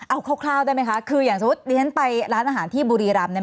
เอาคร่าวได้ไหมคะคืออย่างสมมุติดิฉันไปร้านอาหารที่บุรีรำเนี่ย